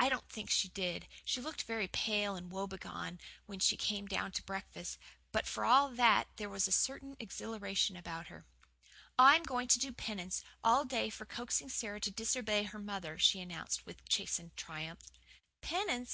I don't think she did. She looked very pale and woebegone when she came down to breakfast. But, for all that, there was a certain exhilaration about her. "I'm going to do penance all day for coaxing Sara to disobey her mother," she announced with chastened triumph. "Penance?"